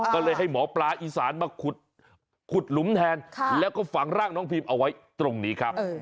ก็เลยให้หมอปลาอีสานมาขุดหลุมแทนแล้วก็ฝังร่างน้องพิมเอาไว้ตรงนี้ครับ